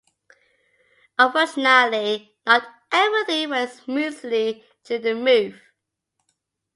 Unfortunately, not everything went smoothly during the move.